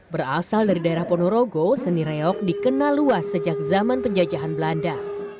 berasal dari daerah ponorogo seni reok dikenal luas sejak zaman penjajahan belanda